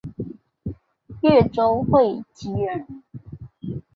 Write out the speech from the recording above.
越州会稽人。